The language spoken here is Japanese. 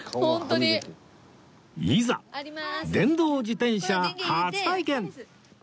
いざ電動自転車初体験！